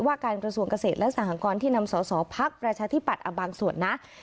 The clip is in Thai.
การกระทรวงเกษตรและสหกรณ์ที่นำสอสอพักประชาธิปัตย์บางส่วนนะ